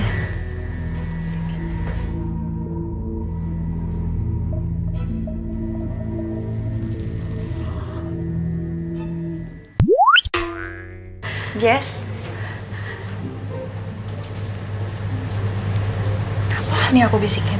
kenapa sih ini aku bisikin